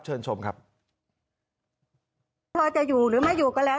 เชิญชมครับพอจะอยู่หรือไม่อยู่ก็แล้ว